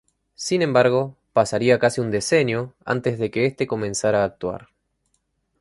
Sin embargo, pasaría casi un decenio antes de que este comenzara a actuar.